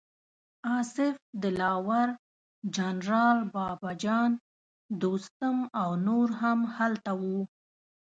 اصف دلاور، جنرال بابه جان، دوستم او نور هم هلته وو.